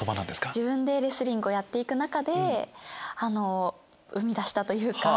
自分でレスリングをやって行く中で生み出したというか。